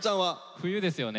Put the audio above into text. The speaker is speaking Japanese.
冬ですよね。